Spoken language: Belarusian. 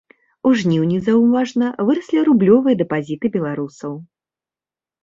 У жніўні заўважна выраслі рублёвыя дэпазіты беларусаў.